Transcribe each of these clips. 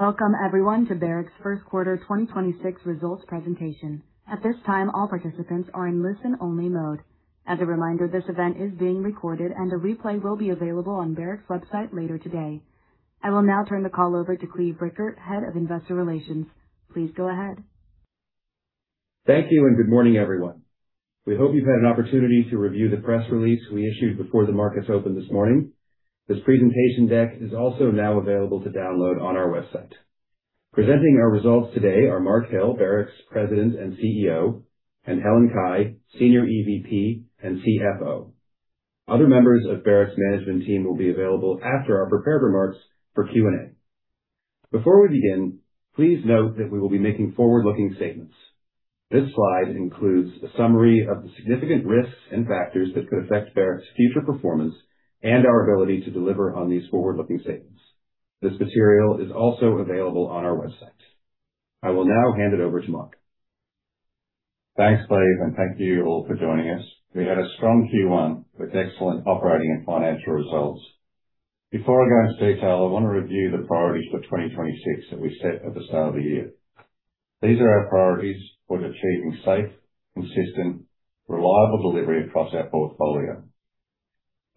Welcome everyone to Barrick's first quarter 2026 results presentation. At this time, all participants are in listen-only mode. As a reminder, this event is being recorded and a replay will be available on Barrick's website later today. I will now turn the call over to Cleve Rueckert, Head of Investor Relations. Please go ahead. Thank you and good morning, everyone. We hope you've had an opportunity to review the press release we issued before the markets opened this morning. This presentation deck is also now available to download on our website. Presenting our results today are Mark Hill, Barrick's President and CEO, and Helen Cai, Senior EVP and CFO. Other members of Barrick's management team will be available after our prepared remarks for Q&A. Before we begin, please note that we will be making forward-looking statements. This slide includes a summary of the significant risks and factors that could affect Barrick's future performance and our ability to deliver on these forward-looking statements. This material is also available on our website. I will now hand it over to Mark. Thanks, Cleve, and thank you all for joining us. We had a strong Q1 with excellent operating and financial results. Before I go into detail, I want to review the priorities for 2026 that we set at the start of the year. These are our priorities for achieving safe, consistent, reliable delivery across our portfolio.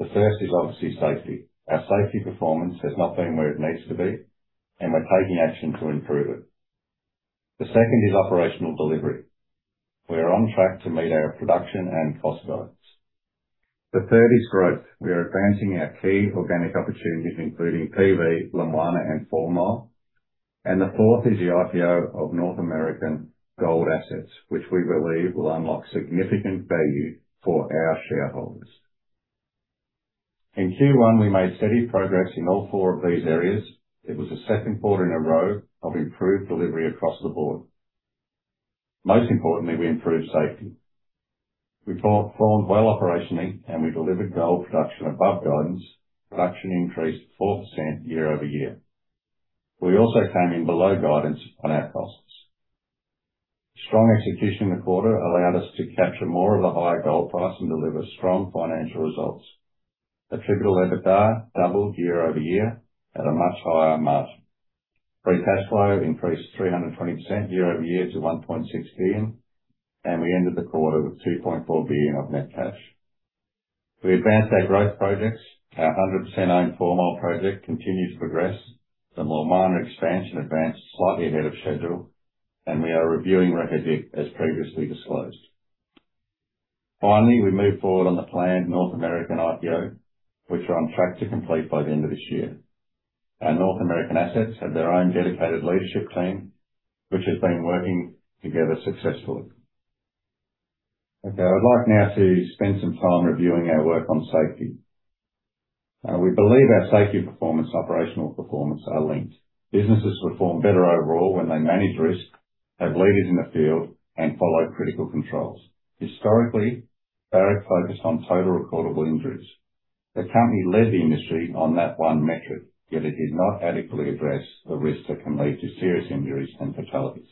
The first is obviously safety. Our safety performance has not been where it needs to be, and we're taking action to improve it. The second is operational delivery. We are on track to meet our production and cost guidance. The third is growth. We are advancing our key organic opportunities, including PV, Lumwana and Fourmile. The fourth is the IPO of North American gold assets, which we believe will unlock significant value for our shareholders. In Q1, we made steady progress in all four of these areas. It was the second quarter in a row of improved delivery across the board. Most importantly, we improved safety. We performed well operationally. We delivered gold production above guidance. Production increased 4% year-over-year. We also came in below guidance on our costs. Strong execution in the quarter allowed us to capture more of the high gold price and deliver strong financial results. Attributable EBITDA doubled year-over-year at a much higher margin. Free cash flow increased 320% year-over-year to $1.6 billion, and we ended the quarter with $2.4 billion of net cash. We advanced our growth projects. Our 100% owned Fourmile project continues to progress. The Lumwana expansion advanced slightly ahead of schedule and we are reviewing Reko Diq as previously disclosed. We moved forward on the planned North American IPO, which we're on track to complete by the end of this year. Our North American assets have their own dedicated leadership team, which has been working together successfully. Okay, I'd like now to spend some time reviewing our work on safety. We believe our safety performance, operational performance are linked. Businesses perform better overall when they manage risk, have leaders in the field, and follow critical controls. Historically, Barrick focused on total recordable injuries. The company led the industry on that one metric, yet it did not adequately address the risks that can lead to serious injuries and fatalities.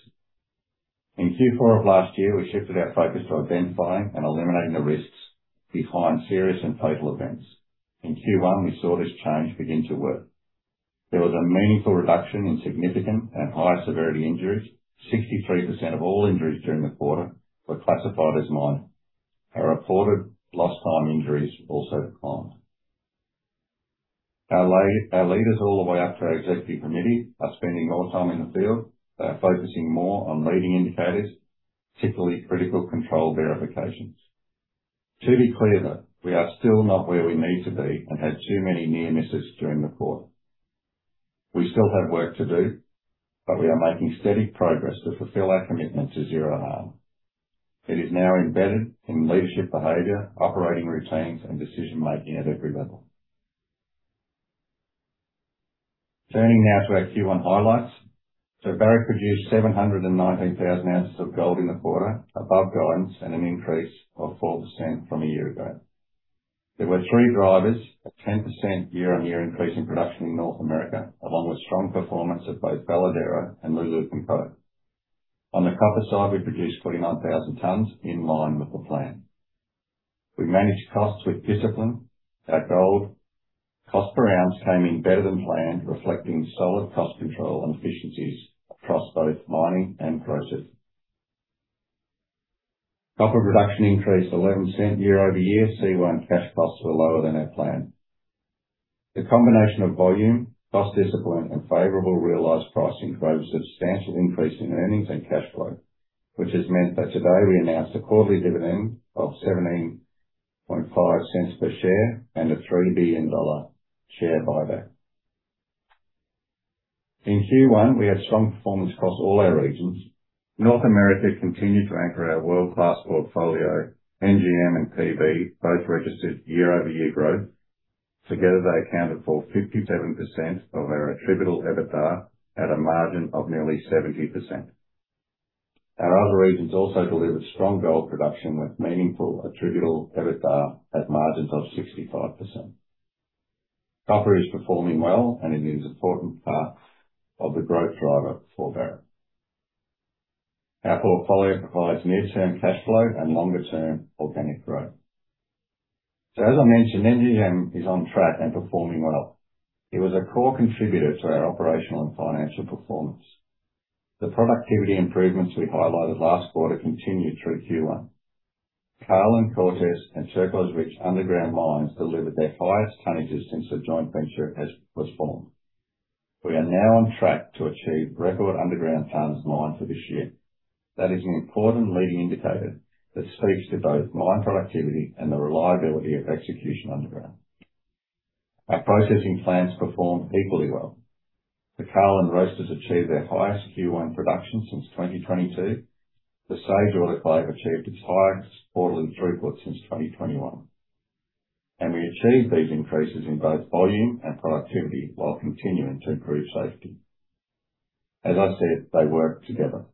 In Q4 of last year, we shifted our focus to identifying and eliminating the risks behind serious and fatal events. In Q1, we saw this change begin to work. There was a meaningful reduction in significant and high-severity injuries. 63% of all injuries during the quarter were classified as minor. Our reported lost time injuries also declined. Our leaders, all the way up to our executive committee, are spending more time in the field. They are focusing more on leading indicators, particularly critical control verifications. To be clear, though, we are still not where we need to be and had too many near misses during the quarter. We still have work to do, but we are making steady progress to fulfill our commitment to zero harm. It is now embedded in leadership behavior, operating routines, and decision-making at every level. Turning now to our Q1 highlights. Barrick produced 719,000 oz of gold in the quarter, above guidance and an increase of 4% from a year ago. There were three drivers: a 10% year-on-year increase in production in North America, along with strong performance at both Veladero and Loulo-Gounkoto. On the copper side, we produced 49,000 tons in line with the plan. We managed costs with discipline. At gold, cost per ounce came in better than planned, reflecting solid cost control and efficiencies across both mining and processing. Copper production increased 11% year-over-year. C1 cash costs were lower than our plan. The combination of volume, cost discipline and favorable realized pricing drove a substantial increase in earnings and cash flow, which has meant that today we announced a quarterly dividend of $0.175 per share and a $3 billion share buyback. In Q1, we had strong performance across all our regions. North America continued to anchor our world-class portfolio. NGM and PV both registered year-over-year growth. Together, they accounted for 57% of our attributable EBITDA at a margin of nearly 70%. Our other regions also delivered strong gold production with meaningful attributable EBITDA at margins of 65%. Copper is performing well and it is important part of the growth driver for Barrick. Our portfolio provides near-term cash flow and longer-term organic growth. As I mentioned, NGM is on track and performing well. It was a core contributor to our operational and financial performance. The productivity improvements we highlighted last quarter continued through Q1. Carlin, Cortez, and Turquoise Ridge underground mines delivered their highest tonnages since the joint venture was formed. We are now on track to achieve record underground tons mined for this year. That is an important leading indicator that speaks to both mine productivity and the reliability of execution underground. Our processing plants performed equally well. The Carlin roasters achieved their highest Q1 production since 2022. The Sage autoclave achieved its highest quarterly throughput since 2021. We achieved these increases in both volume and productivity while continuing to improve safety. As I said, they work together.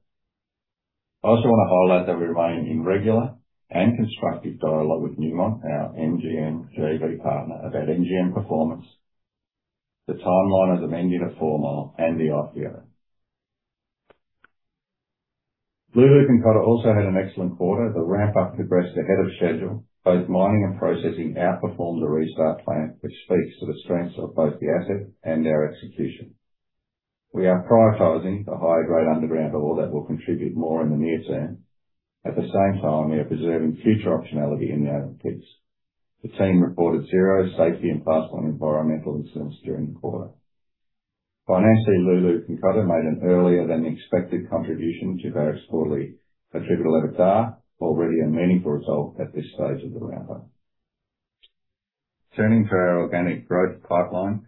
I also want to highlight that we remain in regular and constructive dialogue with Newmont, our NGM JV partner, about NGM performance, the timeline of the Fourmile and the IPO. Loulo-Gounkoto also had an excellent quarter. The ramp-up progressed ahead of schedule. Both mining and processing outperformed the restart plan, which speaks to the strengths of both the asset and our execution. We are prioritizing the high-grade underground ore that will contribute more in the near term. At the same time, we are preserving future optionality in the open pits. The team reported zero safety and first-line environmental incidents during the quarter. Financially, Loulo-Gounkoto made an earlier than expected contribution to Barrick's quarterly attributable EBITDA, already a meaningful result at this stage of the ramp-up. Turning to our organic growth pipeline.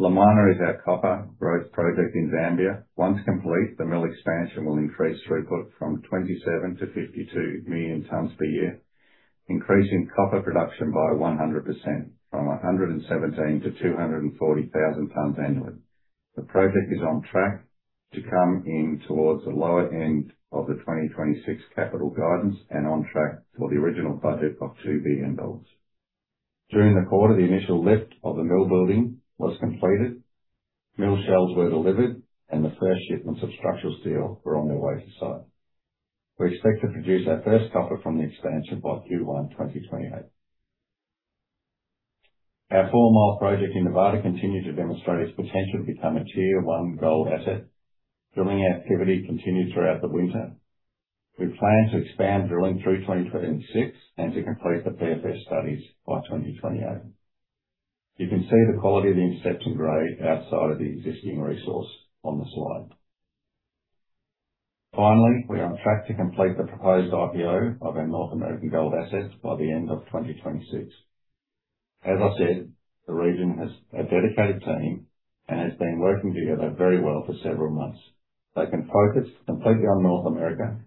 Lumwana is our copper growth project in Zambia. Once complete, the mill expansion will increase throughput from 27,000,000-52,000,000 tons per year, increasing copper production by 100% from 117-240,000 tons annually. The project is on track to come in towards the lower end of the 2026 capital guidance and on track for the original budget of $2 billion. During the quarter, the initial lift of the mill building was completed, mill shells were delivered, and the first shipments of structural steel were on their way to site. We expect to produce our first copper from the expansion by Q1 2028. Our Fourmile project in Nevada continued to demonstrate its potential to become a Tier One gold asset. Drilling activity continued throughout the winter. We plan to expand drilling through 2026 and to complete the PFS studies by 2028. You can see the quality of the interception grade outside of the existing resource on the slide. We are on track to complete the proposed IPO of our North American gold assets by the end of 2026. As I said, the region has a dedicated team and has been working together very well for several months. They can focus completely on North America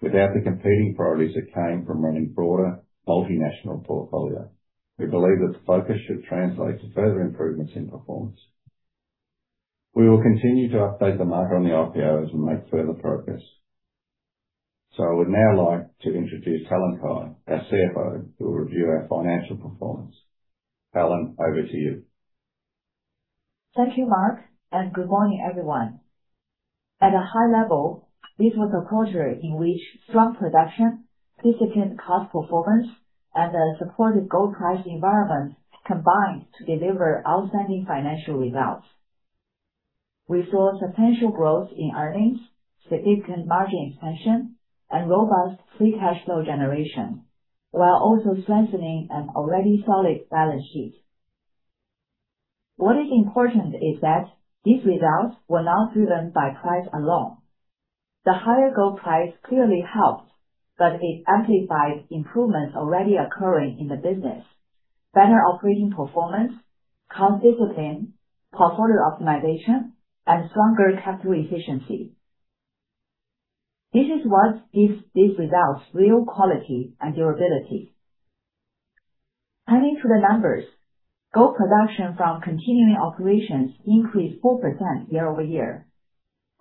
without the competing priorities that came from running broader multinational portfolio. We believe that the focus should translate to further improvements in performance. We will continue to update the market on the IPO as we make further progress. I would now like to introduce Helen Cai, our CFO, who will review our financial performance. Helen, over to you. Thank you, Mark, and good morning, everyone. At a high level, this was a quarter in which strong production, consistent cost performance, and a supportive gold price environment combined to deliver outstanding financial results. We saw substantial growth in earnings, significant margin expansion, and robust free cash flow generation, while also strengthening an already solid balance sheet. What is important is that these results were not driven by price alone. The higher gold price clearly helped, but it amplified improvements already occurring in the business. Better operating performance, cost discipline, portfolio optimization, and stronger capital efficiency. This is what gives these results real quality and durability. Turning to the numbers. Gold production from continuing operations increased 4% year-over-year.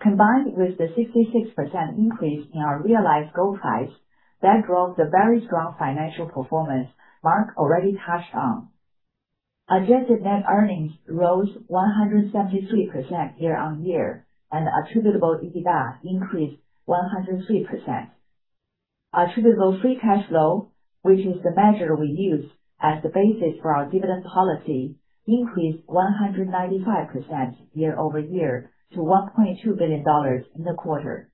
Combined with the 66% increase in our realized gold price, that drove the very strong financial performance Mark already touched on. Adjusted net earnings rose 173% year-over-year, and attributable EBITDA increased 103%. Attributable free cash flow, which is the measure we use as the basis for our dividend policy, increased 195% year-over-year to $1.2 billion in the quarter.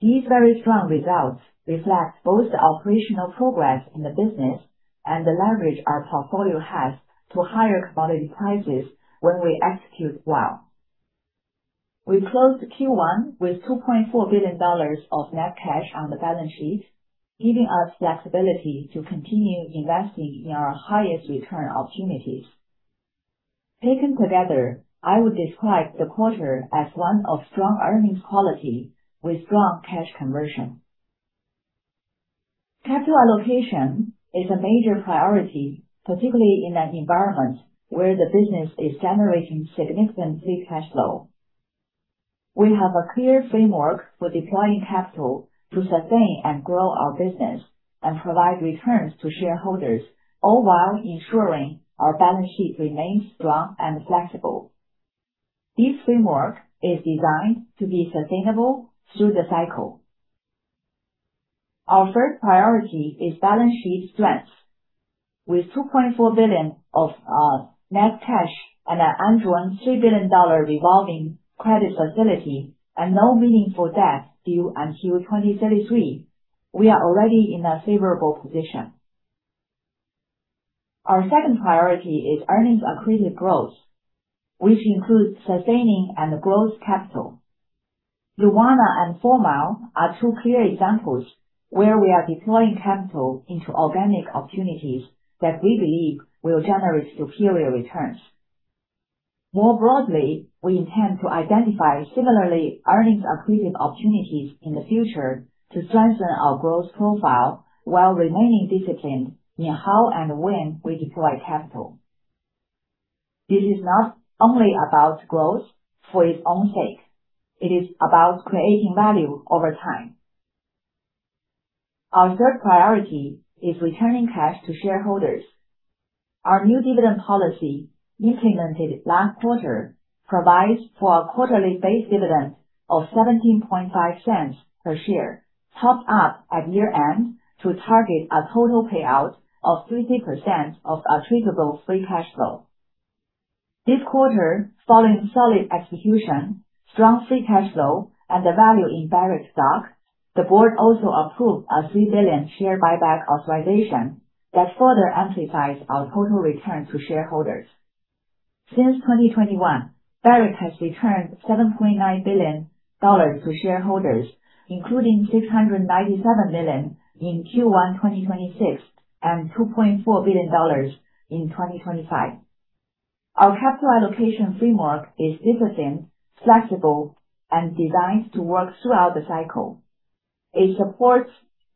These very strong results reflect both the operational progress in the business and the leverage our portfolio has to higher commodity prices when we execute well. We closed Q1 with $2.4 billion of net cash on the balance sheet, giving us flexibility to continue investing in our highest return opportunities. Taken together, I would describe the quarter as one of strong earnings quality with strong cash conversion. Capital allocation is a major priority, particularly in an environment where the business is generating significant free cash flow. We have a clear framework for deploying capital to sustain and grow our business and provide returns to shareholders, all while ensuring our balance sheet remains strong and flexible. This framework is designed to be sustainable through the cycle. Our first priority is balance sheet strength. With $2.4 billion of net cash and an undrawn $3 billion revolving credit facility and no meaningful debt due until 2033, we are already in a favorable position. Our second priority is earnings accretive growth, which includes sustaining and growth capital. Lumwana and Fourmile are two clear examples where we are deploying capital into organic opportunities that we believe will generate superior returns. More broadly, we intend to identify similarly earnings accretive opportunities in the future to strengthen our growth profile while remaining disciplined in how and when we deploy capital. This is not only about growth for its own sake, it is about creating value over time. Our third priority is returning cash to shareholders. Our new dividend policy, implemented last quarter, provides for a quarterly base dividend of $0.175 per share, topped up at year-end to target a total payout of 30% of attributable free cash flow. This quarter, following solid execution, strong free cash flow and the value in Barrick stock, the board also approved a $3 billion share buyback authorization that further amplifies our total return to shareholders. Since 2021, Barrick has returned $7.9 billion to shareholders, including $697 million in Q1 2026, and $2.4 billion in 2025. Our capital allocation framework is disciplined, flexible, and designed to work throughout the cycle. It supports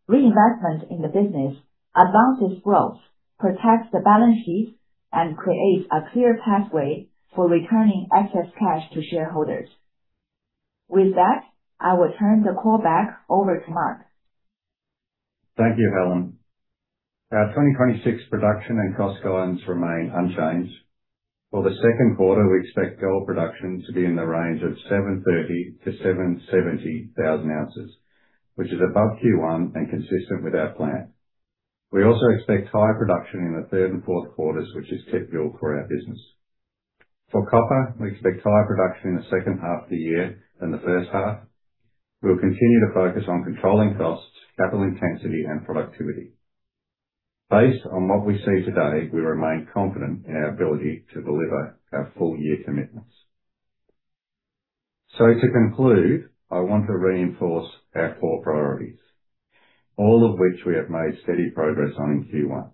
reinvestment in the business, advances growth, protects the balance sheet, and creates a clear pathway for returning excess cash to shareholders. With that, I will turn the call back over to Mark. Thank you, Helen Cai. Our 2026 production and cost guidance remain unchanged. For Q2, we expect gold production to be in the range of 730,000 oz-770,000 oz, which is above Q1 and consistent with our plan. We also expect higher production in Q3 and Q4, which is typical for our business. For copper, we expect higher production in the second half of the year than the first half. We will continue to focus on controlling costs, capital intensity, and productivity. Based on what we see today, we remain confident in our ability to deliver our full year commitments. To conclude, I want to reinforce our core priorities, all of which we have made steady progress on in Q1.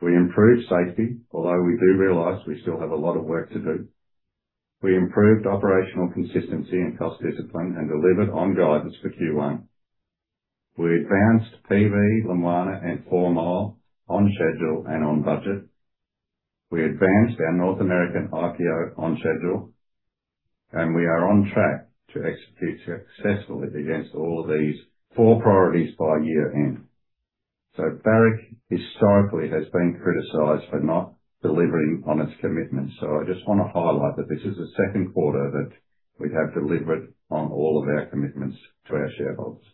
We improved safety, although we do realize we still have a lot of work to do. We improved operational consistency and cost discipline and delivered on guidance for Q1. We advanced PV, Lumwana, and Fourmile on schedule and on budget. We advanced our North American IPO on schedule. We are on track to execute successfully against all these four priorities by year-end. Barrick historically has been criticized for not delivering on its commitments. I just want to highlight that this is the second quarter that we have delivered on all of our commitments to our shareholders.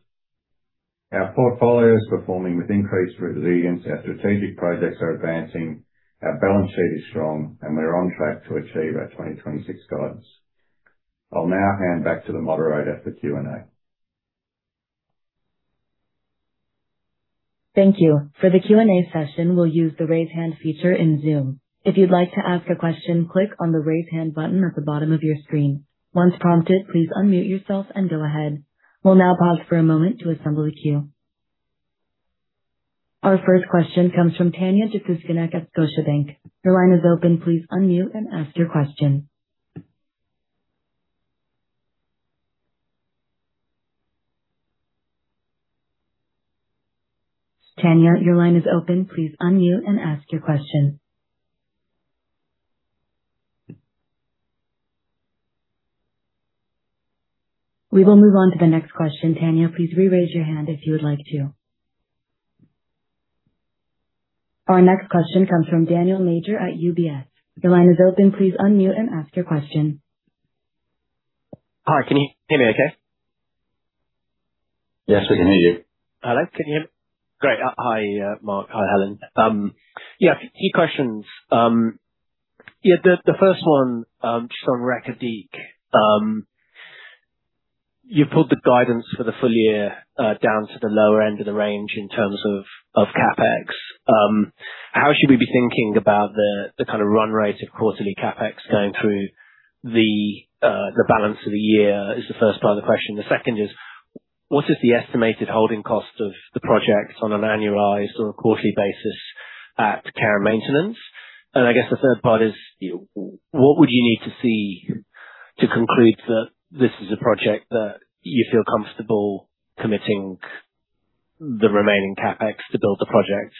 Our portfolio is performing with increased resilience. Our strategic projects are advancing, our balance sheet is strong, and we're on track to achieve our 2026 guidance. I'll now hand back to the moderator for Q&A. Thank you. For the Q&A session, we'll use the raise hand feature in Zoom. If you'd like to ask a question, click on the raise hand button at the bottom of your screen. Once prompted, please unmute yourself and go ahead. We'll now pause for a moment to assemble the queue. Our first question comes from Tanya Jakusconek at Scotiabank. Your line is open. Please unmute and ask your question. Tanya, your line is open. Please unmute and ask your question. We will move on to the next question. Tanya, please re-raise your hand if you would like to. Our next question comes from Daniel Major at UBS. Your line is open. Please unmute and ask your question. Hi, can you hear me okay? Yes, we can hear you. Hello. Can you hear me? Great. Hi, Mark. Hi, Helen. A few questions. The first one, just on Reko Diq. You've pulled the guidance for the full year down to the lower end of the range in terms of CapEx. How should we be thinking about the kind of run rate of quarterly CapEx going through the balance of the year? Is the first part of the question. The second is, what is the estimated holding cost of the project on an annualized or a quarterly basis at care and maintenance? I guess the third part is, what would you need to see to conclude that this is a project that you feel comfortable committing the remaining CapEx to build the project?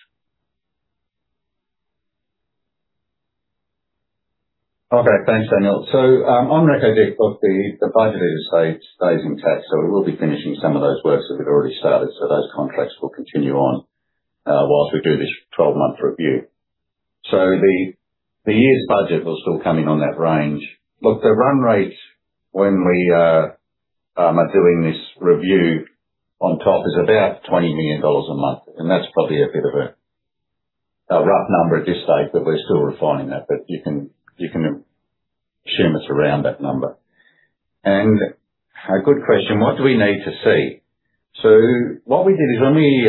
Okay. Thanks, Daniel. On Reko Diq, look, the budget stays intact. We will be finishing some of those works that we've already started. Those contracts will continue on whilst we do this 12-month review. The year's budget will still come in on that range. Look, the run rate when we are doing this review on top is about $20 million a month, and that's probably a bit of a rough number at this stage, but we're still refining that. You can assume it's around that number. A good question, what do we need to see? What we did is when we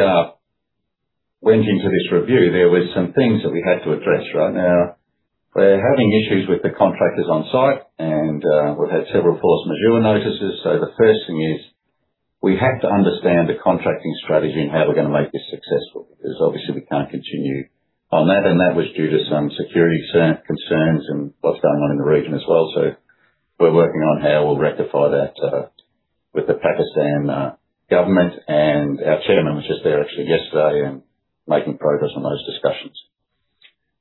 went into this review, there were some things that we had to address right now. We're having issues with the contractors on site, and we've had several force majeure notices. The first thing is we have to understand the contracting strategy and how we're gonna make this successful, because obviously we can't continue on that. That was due to some security concerns and what's going on in the region as well. We're working on how we'll rectify that with the Pakistan government. Our chairman was just there actually yesterday and making progress on those discussions.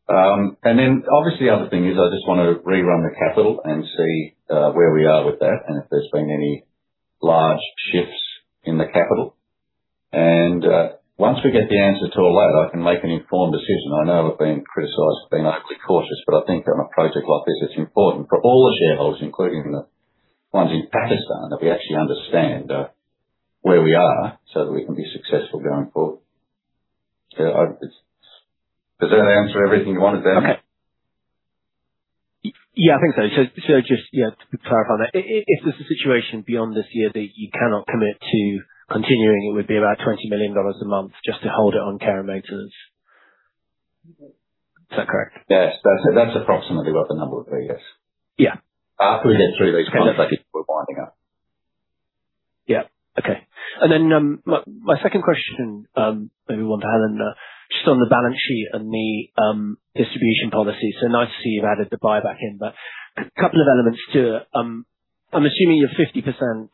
Obviously other thing is I just want to rerun the capital and see where we are with that and if there's been any large shifts in the capital. Once we get the answer to all that, I can make an informed decision. I know I've been criticized for being overly cautious, but I think on a project like this, it's important for all the shareholders, including the ones in Pakistan, that we actually understand where we are so that we can be successful going forward. Does that answer everything you wanted to know? Okay. Yeah, I think so. So just, yeah, to clarify that. If there's a situation beyond this year that you cannot commit to continuing, it would be about $20 million a month just to hold it on care and maintenance. Is that correct? Yes. That's approximately what the number would be. Yes. Yeah. After we get through these contracts, I think we're winding up. Yeah. Okay. My, my second question, maybe one to Helen, just on the balance sheet and the distribution policy. Nice to see you've added the buyback in, but a couple of elements to it. I'm assuming your 50%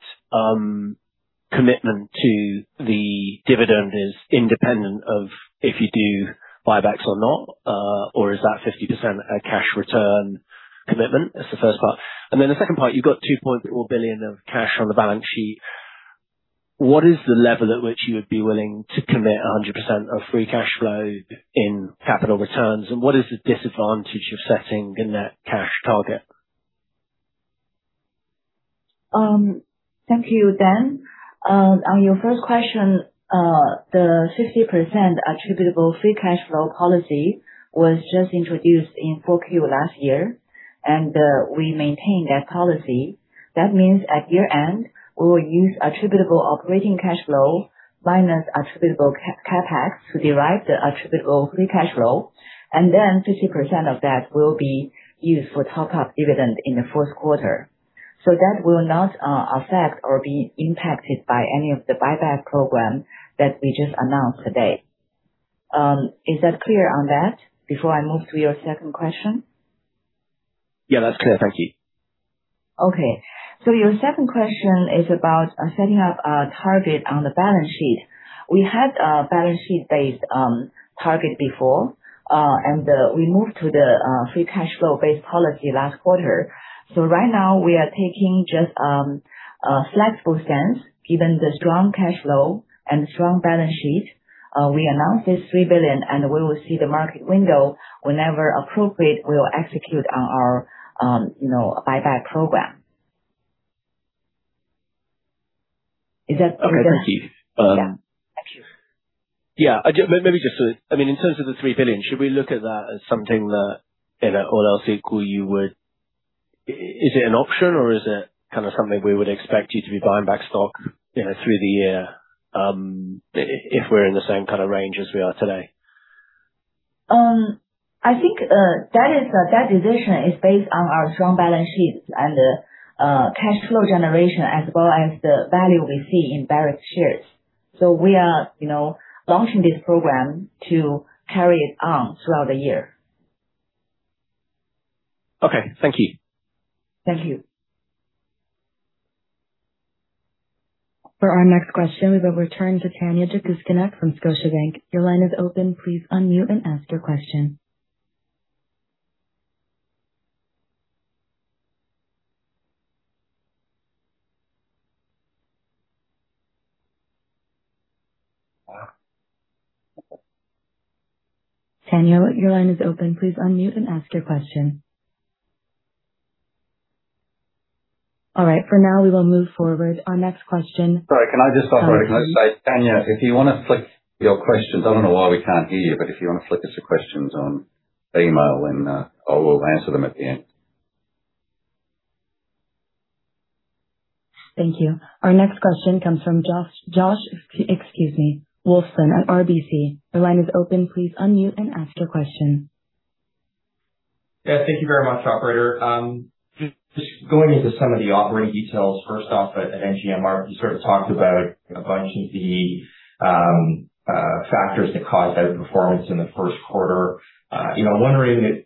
commitment to the dividend is independent of if you do buybacks or not, or is that 50% a cash return commitment? That's the first part. The second part, you've got $2 billion of cash on the balance sheet. What is the level at which you would be willing to commit 100% of free cash flow in capital returns? What is the disadvantage of setting the net cash target? Thank you, Dan. On your first question, the 50% attributable free cash flow policy was just introduced in 4Q last year, and we maintain that policy. That means at year-end, we will use attributable operating cash flow minus attributable CapEx to derive the attributable free cash flow, and then 50% of that will be used for top-up dividend in the fourth quarter. That will not affect or be impacted by any of the buyback program that we just announced today. Is that clear on that before I move to your second question? Yeah, that's clear. Thank you. Okay. Your second question is about setting up a target on the balance sheet. We had a balance sheet-based target before, and we moved to the free cash flow-based policy last quarter. Right now we are taking just a flexible stance, given the strong cash flow and strong balance sheet. We announced this $3 billion, and we will see the market window. Whenever appropriate, we will execute on our, you know, buyback program. Is that clear? Okay. Thank you. Yeah. Yeah. Maybe just to I mean, in terms of the $3 billion, should we look at that as something that, you know, all else equal you would is it an option or is it kind of something we would expect you to be buying back stock, you know, through the year, if we're in the same kind of range as we are today? I think that decision is based on our strong balance sheets and cash flow generation as well as the value we see in Barrick's shares. We are, you know, launching this program to carry it on throughout the year. Okay. Thank you. Thank you. For our next question, we will return to Tanya Jakusconek from Scotiabank. Your line is open. Please unmute and ask your question. Tanya Jakusconek, your line is open. Please unmute and ask your question. All right. For now, we will move forward. Sorry, can I just operate and just say, Tanya, if you wanna flick your questions, I don't know why we can't hear you, but if you wanna flick us your questions on email and I will answer them at the end. Thank you. Our next question comes from Josh Wolfson at RBC. Your line is open. Please unmute and ask your question. Yeah. Thank you very much, operator. Just going into some of the operating details. First off, at NGM, you sort of talked about a bunch of the factors that caused that performance in the first quarter. You know, I'm wondering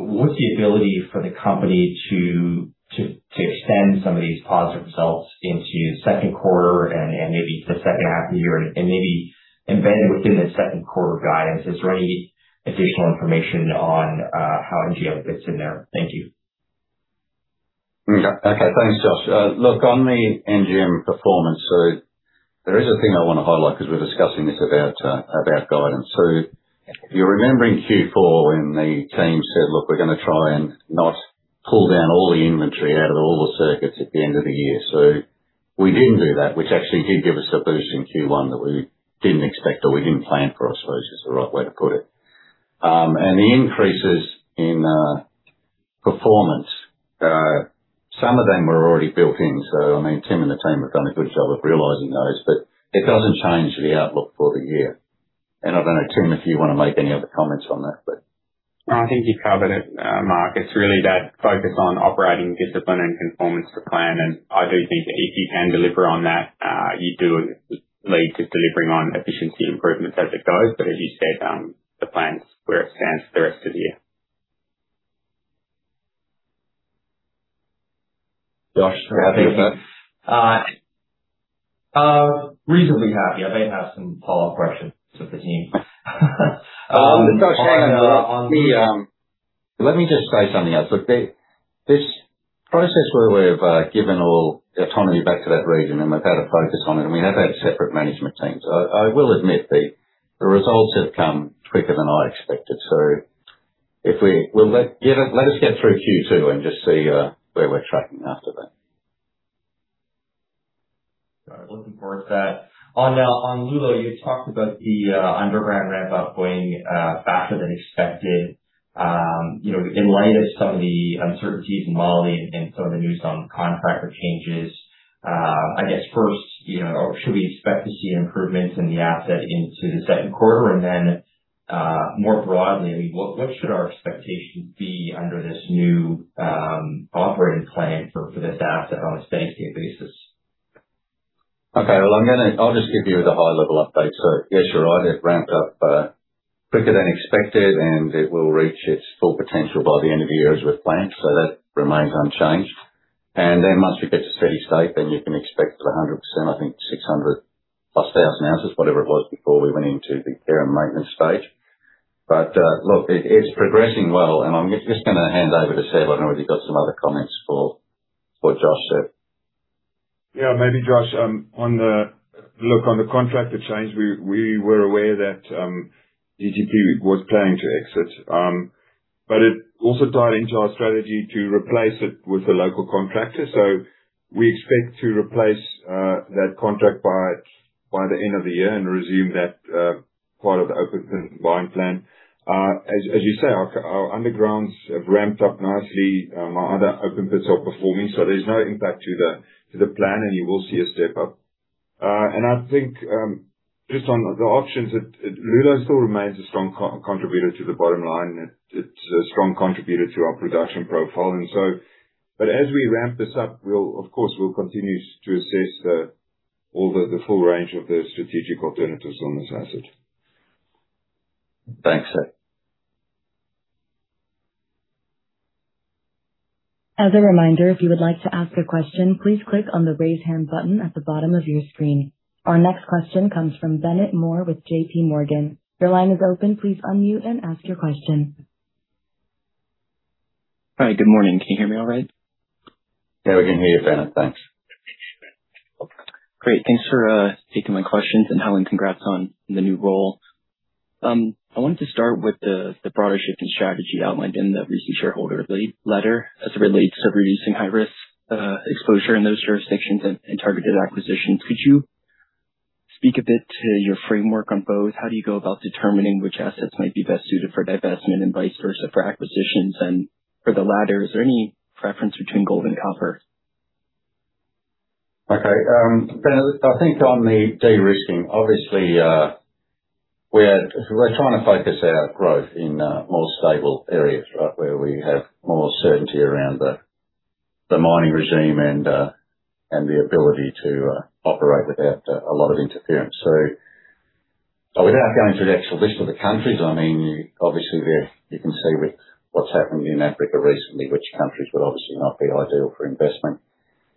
what's the ability for the company to extend some of these positive results into second quarter and maybe the second half of the year and maybe embedded within the second quarter guidance, is there any additional information on how NGM fits in there? Thank you. Okay. Thanks, Josh. Look, on the NGM performance. There is a thing I wanna highlight because we're discussing this about guidance. If you remember in Q4 when the team said, "Look, we're gonna try and not pull down all the inventory out of all the circuits at the end of the year." We didn't do that, which actually did give us a boost in Q1 that we didn't expect or we didn't plan for, I suppose, is the right way to put it. The increases in performance, some of them were already built in. I mean, Tim and the team have done a good job of realizing those, it doesn't change the outlook for the year. I don't know, Tim, if you wanna make any other comments on that. I think you've covered it, Mark. It's really that focus on operating discipline and conformance to plan. I do think if you can deliver on that, you do lead to delivering on efficiency improvements as it goes. As you said, the plan's where it stands for the rest of the year. Josh, how are you doing? Reasonably happy. I may have some follow-up questions for the team. Look, Josh, hang on. Let me just say something else. Look, this process where we've given all the autonomy back to that region, and we've had a focus on it, and we have had separate management teams. I will admit the results have come quicker than I expected. Let us get through Q2 and just see where we're tracking after that. Looking forward to that. On, on Loulo, you talked about the underground ramp up going faster than expected. You know, in light of some of the uncertainties in Mali and some of the news on contractor changes, I guess first, you know, should we expect to see improvements in the asset into the second quarter? More broadly, I mean, what should our expectations be under this new operating plan for this asset on a sustained year basis? Okay. Well, I'll just give you the high level update. Yes, you're right. It ramped up quicker than expected, and it will reach its full potential by the end of the year as we planned, so that remains unchanged. Then once we get to steady state, then you can expect it 100%, I think 600,000 oz+, whatever it was before we went into the care and maintenance stage. Look, it's progressing well, and I'm just gonna hand over to Seb. I don't know if you've got some other comments for Josh there. Maybe, Josh, on the contractor change, we were aware that DTP was planning to exit. It also tied into our strategy to replace it with a local contractor. We expect to replace that contract by the end of the year and resume that part of the open pit mine plan. As you say, our undergrounds have ramped up nicely. Our other open pits are performing, there's no impact to the plan, you will see a step up. I think just on the options, Loulo still remains a strong co-contributor to the bottom line, it's a strong contributor to our production profile. As we ramp this up, we'll of course continue to assess all the full range of the strategic alternatives on this asset. Thanks, Seb. As a reminder, if you would like to ask a question, please click on the Raise Hand button at the bottom of your screen. Our next question comes from Bennett Moore with JPMorgan. Your line is open. Please unmute and ask your question. Hi. Good morning. Can you hear me all right? Yeah, we can hear you, Bennett. Thanks. Great. Thanks for taking my questions. Helen, congrats on the new role. I wanted to start with the broader shift in strategy outlined in the recent shareholder letter as it relates to reducing high risk exposure in those jurisdictions and targeted acquisitions. Could you speak a bit to your framework on both? How do you go about determining which assets might be best suited for divestment and vice versa for acquisitions? For the latter, is there any preference between gold and copper? Okay. Bennett, I think on the de-risking, obviously, we're trying to focus our growth in more stable areas, right? Where we have more certainty around the mining regime and the ability to operate without a lot of interference. Without going through the actual list of the countries, I mean, obviously there, you can see with what's happened in Africa recently, which countries would obviously not be ideal for investment.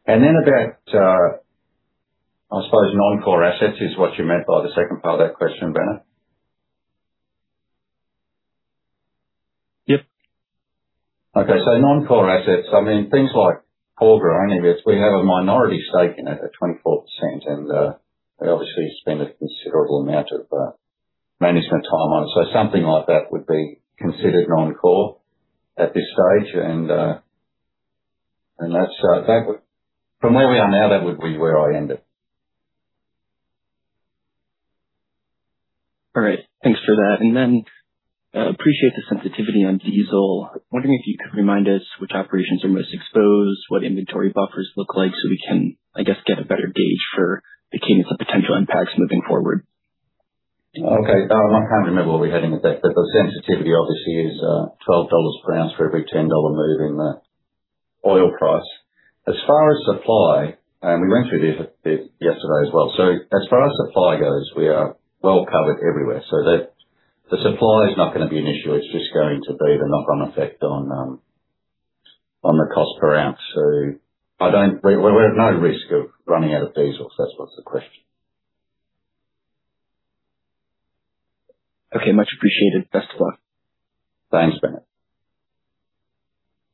About, I suppose non-core assets is what you meant by the second part of that question, Bennett. Yep. Non-core assets, I mean, things like Porgera, I mean, we have a minority stake in it at 24%, and we obviously spend a considerable amount of management time on it. Something like that would be considered non-core at this stage. From where we are now, that would be where I end it. All right. Thanks for that. Appreciate the sensitivity on diesel. Wondering if you could remind us which operations are most exposed, what inventory buffers look like, so we can, I guess, get a better gauge for the cadence of potential impacts moving forward. I can't remember where we are heading with that. The sensitivity obviously is $12 per ounce for every $10 move in the oil price. As far as supply, we went through this a bit yesterday as well. As far as supply goes, we are well covered everywhere. The supply is not going to be an issue. It is just going to be the knock-on effect on the cost per ounce. We are at no risk of running out of diesel, if that is what is the question. Okay, much appreciated. Best of luck. Thanks, Bennett.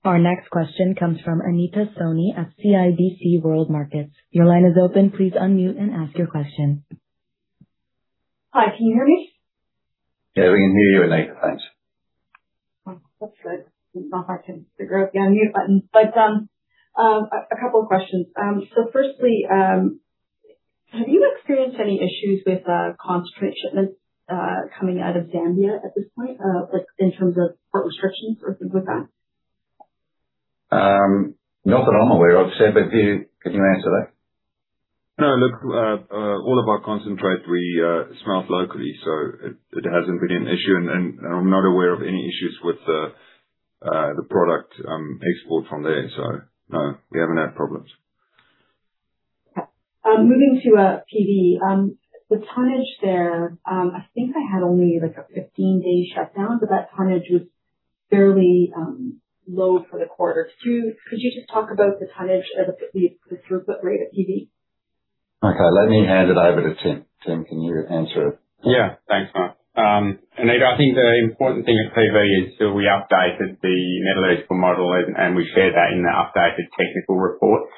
Our next question comes from Anita Soni at CIBC World Markets. Your line is open. Please unmute and ask your question. Hi, can you hear me? Yeah, we can hear you, Anita. Thanks. That's good. It's not hard to figure out the unmute button. A couple of questions. Firstly, have you experienced any issues with concentrate shipments coming out of Zambia at this point, like, in terms of port restrictions or things like that? Not that I'm aware of, Seb, Could you answer that? No. Look, all of our concentrate we smelt locally, so it hasn't been an issue. I'm not aware of any issues with the product export from there. No, we haven't had problems. Okay. Moving to PV. The tonnage there, I think I had only like a 15-day shutdown, but that tonnage was fairly low for the quarter too. Could you just talk about the tonnage of the throughput rate at PV? Okay. Let me hand it over to Tim. Tim, can you answer? Thanks, Mark. Anita Soni, I think the important thing at Pueblo Viejo is, we updated the metallurgical model and we shared that in the updated technical report.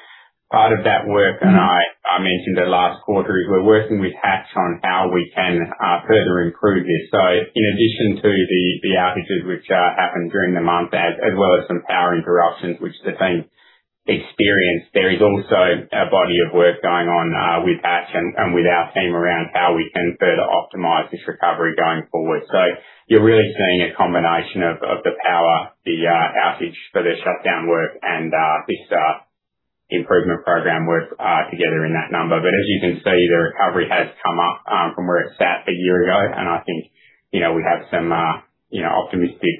Part of that work, and I mentioned it last quarter, is we're working with Hatch on how we can further improve this. In addition to the outages which happened during the month as well as some power interruptions which have been experienced, there is also a body of work going on with Hatch and with our team around how we can further optimize this recovery going forward. You're really seeing a combination of the power, the outage for the shutdown work and this improvement program work together in that number. As you can see, the recovery has come up from where it sat a year ago. I think, you know, we have some, you know, optimistic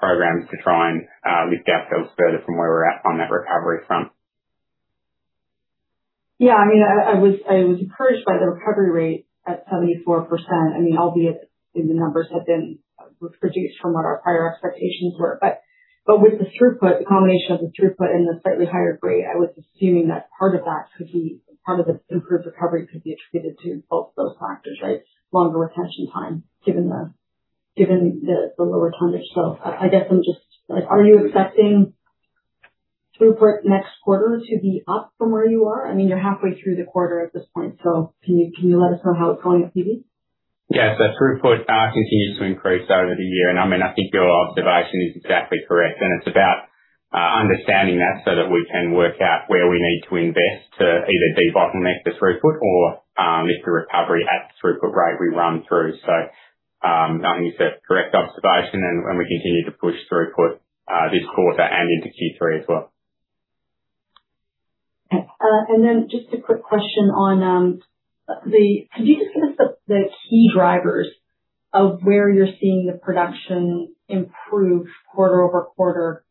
programs to try and lift our tails further from where we're at on that recovery from. Yeah. I mean, I was encouraged by the recovery rate at 74%. I mean, albeit the numbers have been reduced from what our prior expectations were. With the throughput, the combination of the throughput and the slightly higher grade, I was assuming that part of the improved recovery could be attributed to both those factors, right? Longer retention time, given the lower tonnage. I guess I'm just, like, are you expecting throughput next quarter to be up from where you are? I mean, you're halfway through the quarter at this point, so can you let us know how it's going at PV? Yeah. Throughput continues to increase over the year. I mean, I think your observation is exactly correct. It's about understanding that so that we can work out where we need to invest to either de-bottleneck the throughput or if the recovery at the throughput rate we run through. I think it's a correct observation and we continue to push throughput this quarter and into Q3 as well. Okay. Just a quick question on, could you just give us the key drivers of where you're seeing the production improve quarter-over-quarter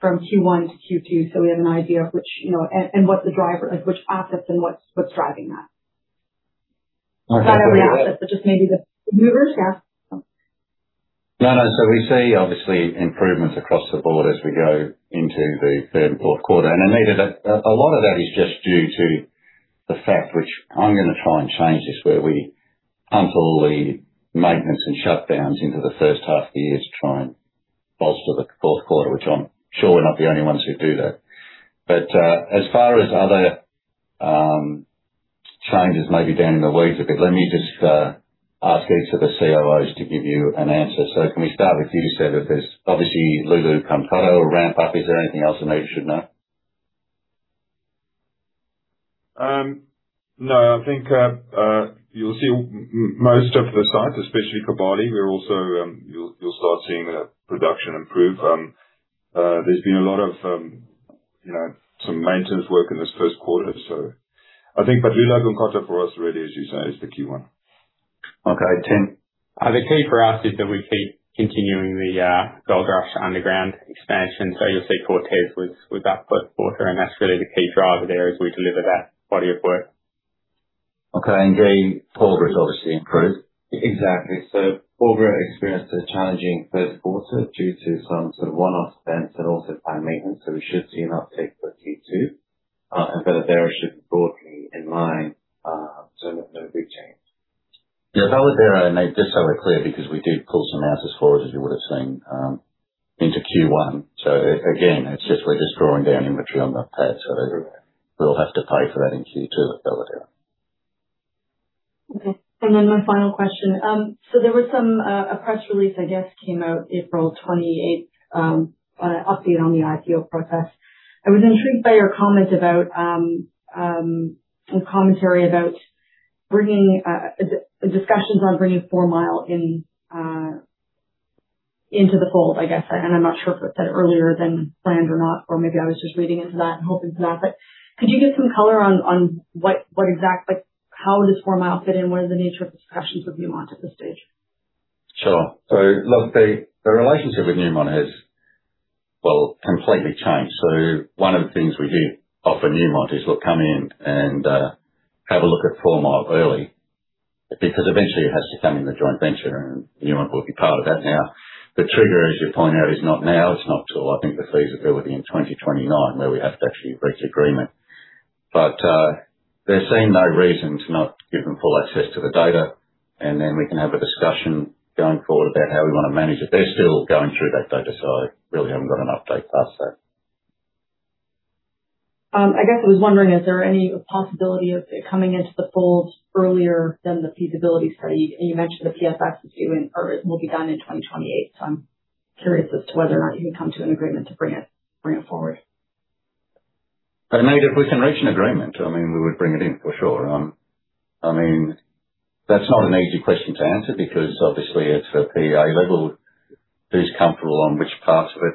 from Q1-Q2 so we have an idea of which, you know, what the driver, like, which assets and what's driving that? I think- Not every asset, but just maybe the movers. Yeah. No, no. We see obviously improvements across the board as we go into the fourth quarter. Anita, a lot of that is just due to the fact, which I'm going to try and change this, where we punt all the maintenance and shutdowns into the first half of the year to try and bolster the fourth quarter, which I'm sure we're not the only ones who do that. As far as other changes maybe down in the weeds a bit, let me just ask each of the COOs to give you an answer. Can we start with you, Seb, if there's obviously Loulo-Gounkoto ramp up. Is there anything else Anita should know? No. I think you'll see most of the sites, especially Kibali, we're also, you'll start seeing production improve. There's been a lot of, you know, some maintenance work in this first quarter. But Loulo and Gounkoto for us really, as you say, is the key one. Okay. Tim? The key for us is that we keep continuing the Goldrush underground expansion. You'll see Cortez with that first quarter, and that's really the key driver there as we deliver that body of work. Okay. Jay, Porgera has obviously improved. Exactly. Porgera experienced a challenging first quarter due to some sort of one-off events and also planned maintenance. We should see an uptick for Q2. And for Valeero should be broadly in line. No, no big change. Yeah. For Ibero, mate, just so we're clear, because we do pull some ounces forward, as you would've seen, into Q1. It's just we're drawing down inventory on that pad. We'll have to pay for that in Q2 with Ibero. My final question. There was some a press release, I guess, came out April 28, update on the IPO process. I was intrigued by your comment about or commentary about bringing discussions on bringing Fourmile in into the fold, I guess. I'm not sure if it said earlier than planned or not, or maybe I was just reading into that and hoping for that. Could you give some color on what exactly, like how does Fourmile fit in? What are the nature of the discussions with Newmont at this stage? Sure. Look, the relationship with Newmont has, well, completely changed. One of the things we did offer Newmont is, look, come in and have a look at Fourmile early, because eventually it has to come in the joint venture and Newmont will be part of that. The trigger, as you point out, is not now. It's not till, I think, the feasibility in 2029, where we have to actually reach agreement. They're seeing no reason to not give them full access to the data. We can have a discussion going forward about how we wanna manage it. They're still going through that data, so I really haven't got an update past that. I guess I was wondering, is there any possibility of it coming into the fold earlier than the feasibility study? You mentioned the PFS is due in or it will be done in 2028. I'm curious as to whether or not you can come to an agreement to bring it forward. I mean, if we can reach an agreement, I mean, we would bring it in for sure. I mean, that's not an easy question to answer because obviously it's at PEA level who's comfortable on which parts of it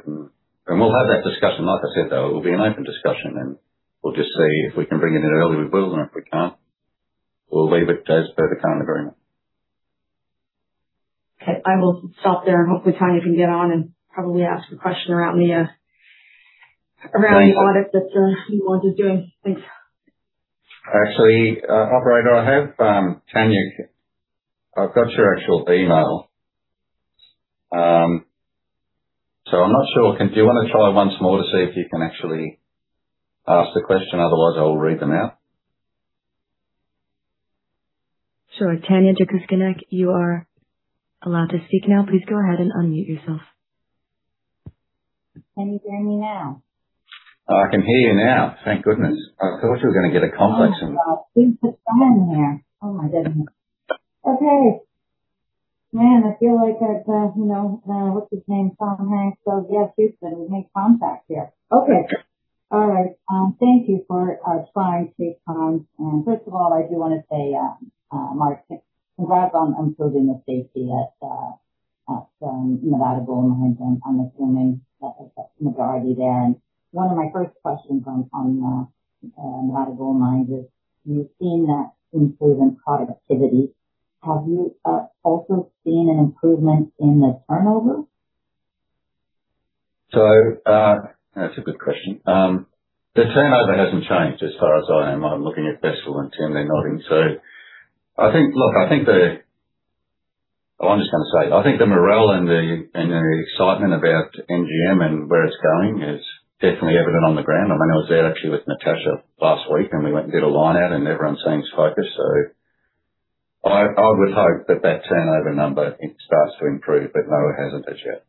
and we'll have that discussion. Like I said, though, it will be an open discussion, and we'll just see if we can bring it in early, we will. If we can't, we'll leave it as per the current agreement. I will stop there and hopefully Tanya can get on and probably ask a question around the around the audit that Newmont is doing. Thanks. Actually, operator, I have, Tanya. I've got your actual email. I'm not sure. Do you wanna try once more to see if you can actually ask the question? Otherwise, I'll read them out. Sure. Tanya Jakusconek, you are allowed to speak now. Please go ahead and unmute yourself. Can you hear me now? I can hear you now. Thank goodness. I thought you were going to get a complex in there. Oh, my God. Things are fine here. Oh, my goodness. Okay. Man, I feel like I've, you know, what's his name? Tom Hanks says, "Yes, Houston, we make contact here." Okay. All right. Thank you for trying to take comms. First of all, I do want to say, Mark, congrats on improving the safety at Nevada Gold Mines. I'm assuming that's a majority there. One of my first questions on Nevada Gold Mines is, you've seen that improvement in productivity. Have you also seen an improvement in the turnover? That's a good question. The turnover hasn't changed as far as I am. I'm looking at Wessel and Tim, they're nodding. I think the Well, I'm just gonna say it. I think the morale and the excitement about NGM and where it's going is definitely evident on the ground. I mean, I was there actually with Natasha last week, and we went and did a line out, and everyone seems focused. I would hope that turnover number, I think, starts to improve, but no, it hasn't as yet.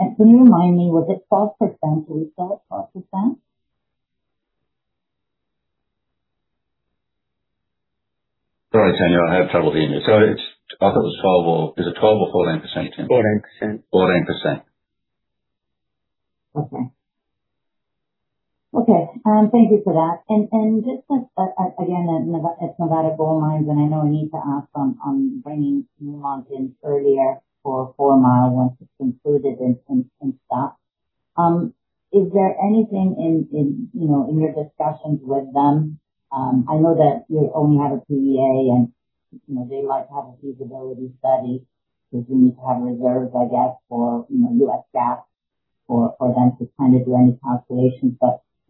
Can you remind me, was it 5%? Was that 5%? Sorry, Tanya, I had trouble hearing you. I thought it was 12%, or is it 12% or 14%, Tim? 14%. 14%. Okay. Okay. Thank you for that. Again, at Nevada Gold Mines, and I know I need to ask on bringing Newmont in earlier for Mali once it's included in stock. Is there anything in, you know, in your discussions with them, I know that you only have a PEA and, you know, they like to have a feasibility study 'cause you need to have reserves, I guess, for, you know, U.S. GAAP for them to kind of do any calculations.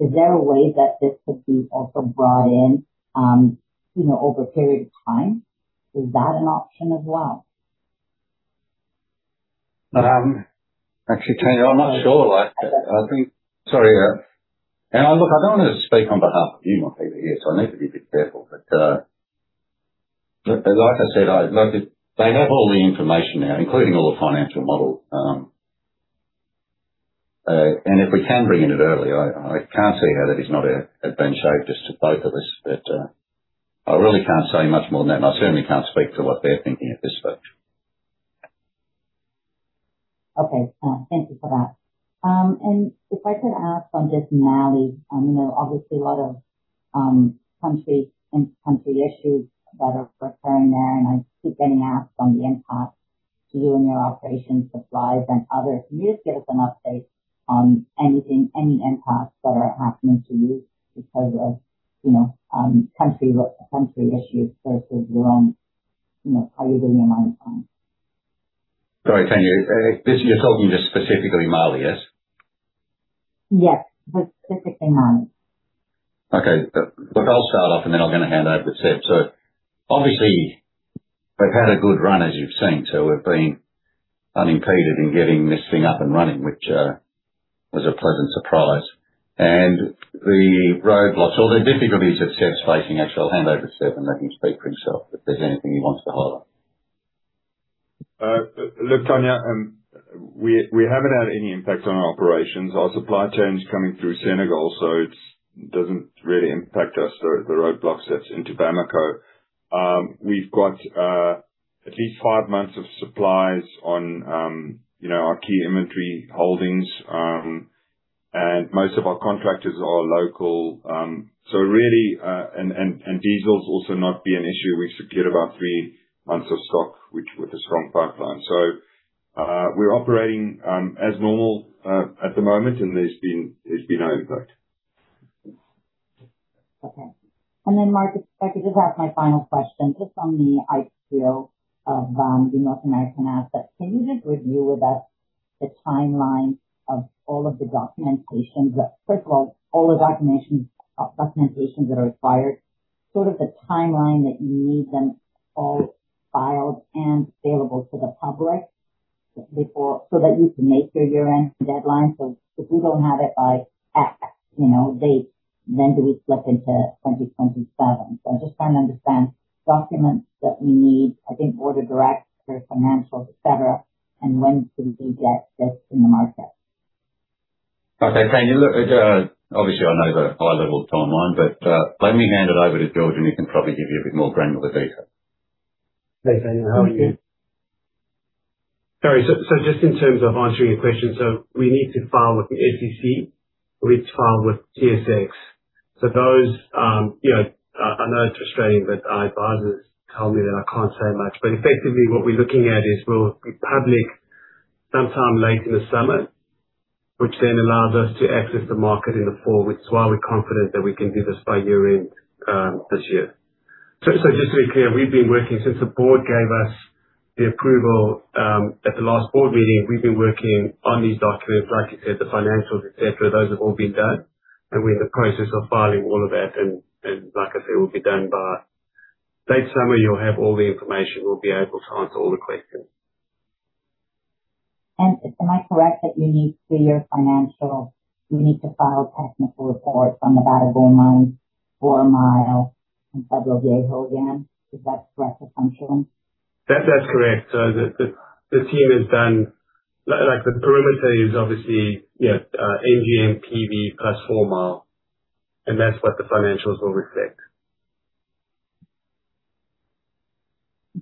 Is there a way that this could be also brought in, you know, over a period of time? Is that an option as well? Actually, Tanya, I'm not sure. Like, I think Sorry, look, I don't wanna speak on behalf of Newmont either here, so I need to be a bit careful. Like I said, they have all the information now, including all the financial models. If we can bring it in early, I can't see how that is not a benefit to both of us. I really can't say much more than that, and I certainly can't speak to what they're thinking at this stage. Okay. Thank you for that. If I could ask on just Mali, you know, obviously a lot of, country, in-country issues that are occurring there, and I keep getting asked on the impact to you and your operations, supplies and other. Can you just give us an update on anything, any impacts that are happening to you because of, you know, country issues versus your own, you know, how you're doing your mine plans? Sorry, Tanya. You're talking just specifically Mali, yes? Yes. Just specifically Mali. Okay. Look, I'll start off, and then I'll gonna hand over to Seb. Obviously we've had a good run, as you've seen. We've been unimpeded in getting this thing up and running, which was a pleasant surprise. The roadblocks or the difficulties that Seb's facing, actually I'll hand over to Seb and let him speak for himself if there's anything he wants to highlight. Look, Tanya, we haven't had any impact on our operations. Our supply chain is coming through Senegal, it doesn't really impact us, the roadblocks that's into Bamako. We've got at least five months of supplies on, you know, our key inventory holdings. Most of our contractors are local. Really, diesel's also not been an issue. We've secured about three months of stock, which with a strong pipeline. We're operating as normal at the moment, and there's been no impact. Okay. Mark, if I could just ask my final question, just on the IPO of the North American asset. Can you just review with us the timeline of all of the documentations that are required, sort of the timeline that you need them all filed and available to the public, so that you can make your year-end deadline? If we don't have it by X, you know, date, then do we slip into 2027? I'm just trying to understand documents that we need, I think audited, your financials, et cetera, and when do we get this in the market. Okay, Tanya, look, obviously I know the high-level timeline, but let me hand it over to George, and he can probably give you a bit more granular detail. Hey, Tanya. How are you? Okay. All right. Just in terms of answering your question. We need to file with the SEC. We need to file with TSX. Those, you know, I know it's Australian, but our advisors tell me that I can't say much. Effectively what we're looking at is we'll be public sometime late in the summer, which then allows us to access the market in the fall, which is why we're confident that we can do this by year-end this year. Just to be clear, we've been working since the board gave us the approval at the last board meeting. We've been working on these documents. Like you said, the financials, et cetera, those have all been done. We're in the process of filing all of that. Like I said, it will be done by late summer. You'll have all the information. We'll be able to answer all the questions. Am I correct that you need for your financial, you need to file technical reports on the Batagay mine, Fourmile, and Pueblo Viejo again? Is that correct assumption? That's correct. The team has done like the perimeter is obviously, yeah, NGM, PV, plus Fourmile. That's what the financials will reflect.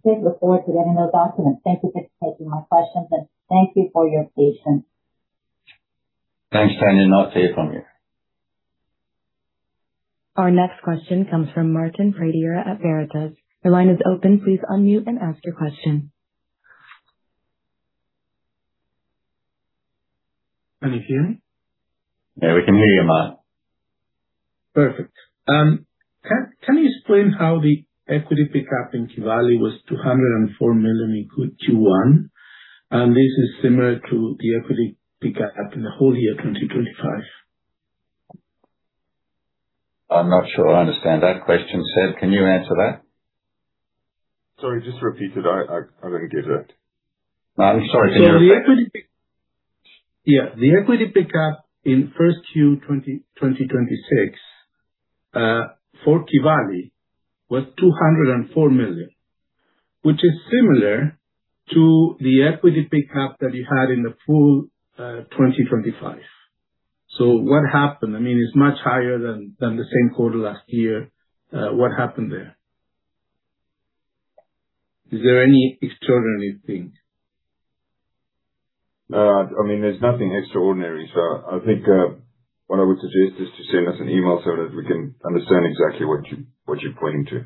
I look forward to getting those documents. Thank you for taking my questions, and thank you for your patience. Thanks, Tanya. I'll see you from here. Our next question comes from Martin Pradier at Veritas. Your line is open. Please unmute and ask your question. Can you hear me? Yeah, we can hear you, Martin. Perfect. Can you explain how the equity pickup in Kibali was $204 million in Q1? This is similar to the equity pickup in the whole year, 2025. I'm not sure I understand that question. Seb, can you answer that? Sorry, just repeat it. I didn't get that. No, I'm sorry. Can you hear okay? The equity pickup in Q1 2026 for Kibali was $204 million, which is similar to the equity pickup that you had in the full 2025. What happened? I mean, it's much higher than the same quarter last year. What happened there? Is there any extraordinary things? No. I mean, there's nothing extraordinary. I think, what I would suggest is to send us an email so that we can understand exactly what you, what you're pointing to.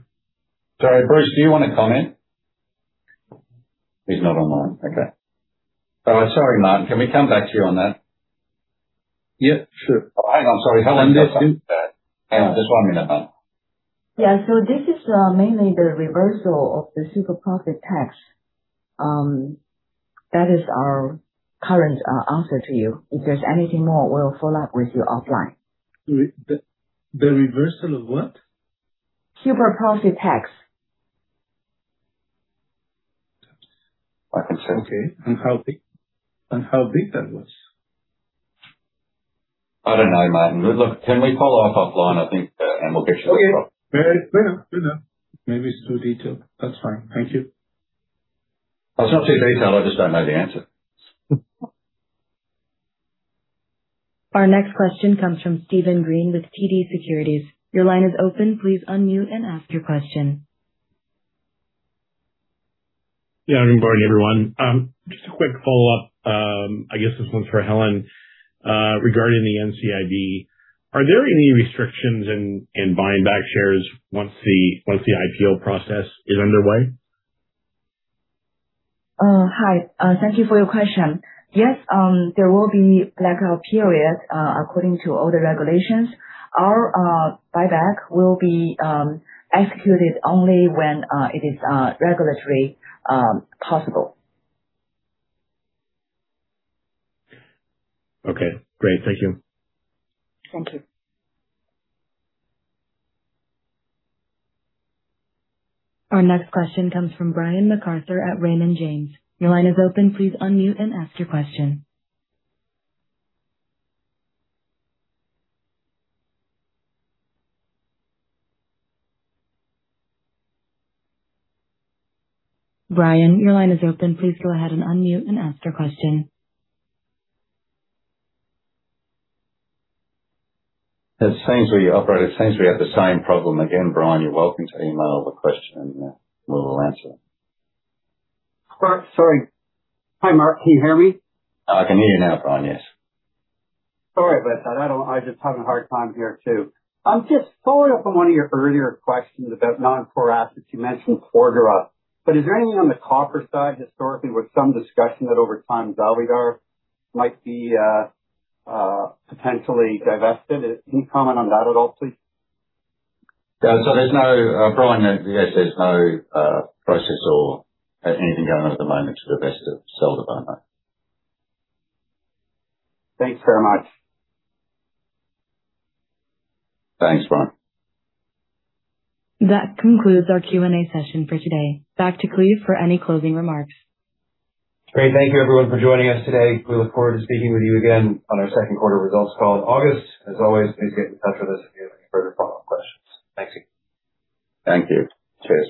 Sorry, Bruce, do you wanna comment? He's not online. Okay. Sorry, Martin. Can we come back to you on that? Yeah, sure. I'm sorry, Helen. Understood. Hang on just one minute, Martin. Yeah. This is mainly the reversal of the super profit tax. That is our current answer to you. If there's anything more, we'll follow up with you offline. The reversal of what? Super profit tax. I can say. Okay. How big that was? I don't know, Martin. Look, can we follow up offline, I think, and we'll get you? Okay. Fair enough. Fair enough. Maybe it is too detailed. That is fine. Thank you. Oh, it's not too detailed. I just don't know the answer. Our next question comes from Steven Green with TD Securities. Your line is open. Please unmute and ask your question. Yeah. Good morning, everyone. Just a quick follow-up. I guess this one's for Helen, regarding the NCIB. Are there any restrictions in buying back shares once the IPO process is underway? Hi. Thank you for your question. Yes, there will be like a period, according to all the regulations. Our buyback will be executed only when it is regulatory possible. Okay, great. Thank you. Thank you. Our next question comes from Brian MacArthur at Raymond James. Your line is open. Please unmute and ask your question. Brian, your line is open. Please go ahead and unmute and ask your question. It seems we have the same problem again, Brian. You're welcome to email the question, and we'll answer. Sorry. Hi, Mark. Can you hear me? I can hear you now, Brian. Yes. Sorry about that. I'm just having a hard time here too. I'm just following up on one of your earlier questions about non-core assets. You mentioned Porgera. Is there anything on the copper side historically with some discussion that over time Porgera might be potentially divested? Can you comment on that at all, please? Yeah. There's no, Brian, there's no process or anything going on at the moment to divest or sell the partner. Thanks very much. Thanks, Brian. That concludes our Q&A session for today. Back to Cleve for any closing remarks. Great. Thank you everyone for joining us today. We look forward to speaking with you again on our second quarter results call in August. As always, please get in touch with us if you have any further follow-up questions. Thanks. Thank you. Cheers.